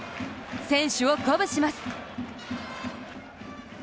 選手を鼓舞します。